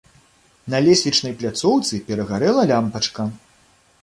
На лесвічнай пляцоўцы перагарэла лямпачка.